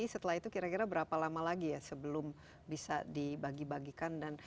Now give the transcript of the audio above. setelah itu kira kira berapa lama lagi ya sebelum bisa dibagi bagikan